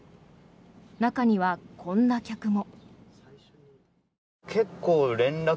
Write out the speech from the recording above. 中には、こんな客も。